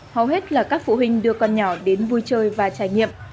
hầu hết là các phụ huynh đưa con nhỏ đến vui chơi và trải nghiệm